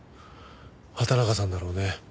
畑中さんだろうね。